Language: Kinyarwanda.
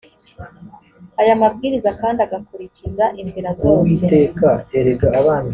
aya mabwiriza kandi agakurikiza inzira zose